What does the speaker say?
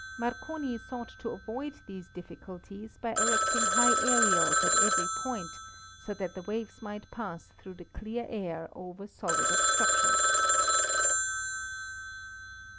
Marconi sought to avoid these difficulties by erecting high aerials at every point, so that the waves might pass through the clear air over solid obstructions.